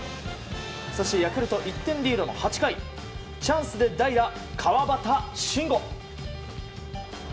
そしてヤクルト１点リードの８回チャンスで代打、川端慎吾。